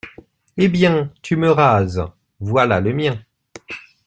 Eh bien, tu me rases, voilà le mien.